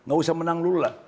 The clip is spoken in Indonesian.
gak usah menang dulu lah